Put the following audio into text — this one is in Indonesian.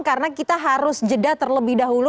karena kita harus jeda terlebih dahulu